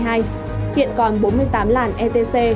hiện còn bốn mươi tám làn etc